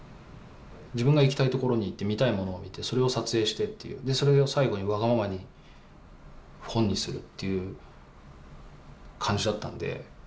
自分が行きたい所に行って見たいものを見てそれを撮影してっていうそれを最後にわがままに本にするっていう感じだったんで。